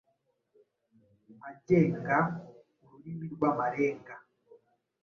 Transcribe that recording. agenga ururimi rw’Amarenga,